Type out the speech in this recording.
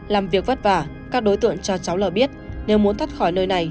làm việc vất vả các đối tượng cho cháu lờ biết nếu muốn thắt khỏi nơi này